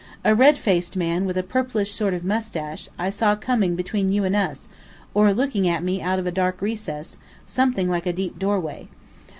A red faced man with a purplish sort of moustache, I saw coming between you and us, or looking at me out of a dark recess, something like a deep doorway.